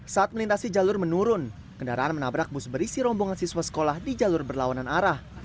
saat melintasi jalur menurun kendaraan menabrak bus berisi rombongan siswa sekolah di jalur berlawanan arah